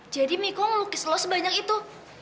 jadi miko ngelukis lo sebanyak itu